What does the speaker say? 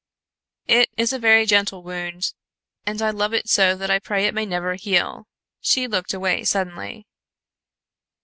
"It is a very gentle wound, and I love it so that I pray it may never heal." She looked away suddenly.